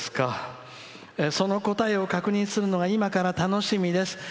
その答えを確認するのが今から楽しみです。